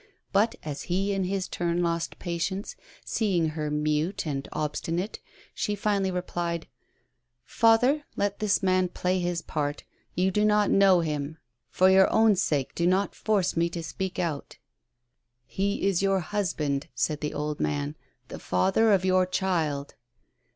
But as he in his turn lost patience, seeing her mute and obstinate, she finally replied : "Father, let this man play his part. You do not know him. For your own sake do not force me to speak out." " He is your husband," said the old man, " the father of your child."